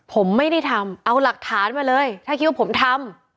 ผมไม่ได้ทำเอาหลักฐานมาเลยถ้าคิดว่าผมทำ